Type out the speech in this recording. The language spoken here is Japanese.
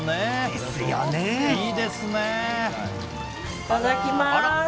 いただきます。